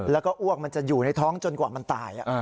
แล้วก็อ้วกมันจะอยู่ในท้องจนกว่ามันตาย